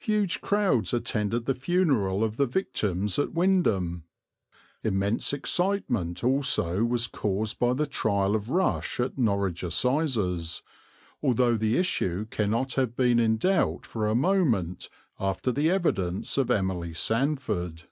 Huge crowds attended the funeral of the victims at Wymondham. Immense excitement also was caused by the trial of Rush at Norwich Assizes, although the issue cannot have been in doubt for a moment after the evidence of Emily Sandford.